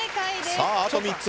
さああと３つ。